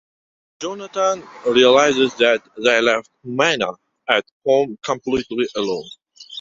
Jonathan realizes that they left Mina at home completely alone.